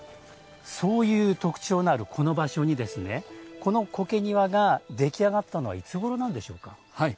そういう特徴のあるこの場所にこの苔庭が出来上がったのはいつごろなんでしょうか。